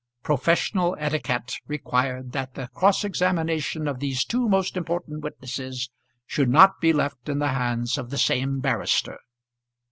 Professional etiquette required that the cross examination of these two most important witnesses should not be left in the hands of the same barrister.